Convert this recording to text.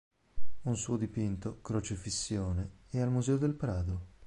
Un suo dipinto, "Crocefissione", è al Museo del Prado.